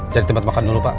cari tempat makan dulu pak